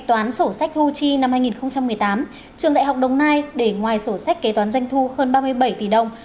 toán sổ sách thu chi năm hai nghìn một mươi tám trường đại học đồng nai để ngoài sổ sách kế toán doanh thu hơn ba mươi bảy tỷ đồng